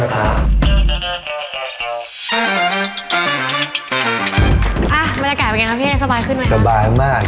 บรรยากาศเป็นยังไงครับพี่เอดื่มสบายขึ้นไหมค่ะ